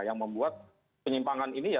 yang membuat penyimpangan ini ya